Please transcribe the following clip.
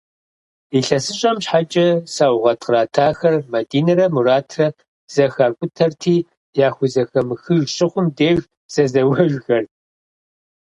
Илъэсыщӏэм щхьэкӏэ сэугъэт къратахэр, Мадинэрэ Муратрэ, зэхакӏутэрти, яхузэхэмыхыж щыхъум деж зэзэуэжхэрт.